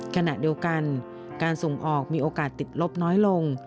ขณะเดียวกันการส่งออกมีโอกาสติดลบน้อยลง